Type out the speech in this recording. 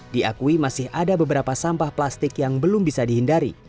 diakui masih ada beberapa sampah plastik yang belum bisa dihindari